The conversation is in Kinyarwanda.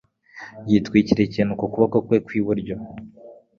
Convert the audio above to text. yitwikiriye ikintu n'ukuboko kwe kw'iburyo.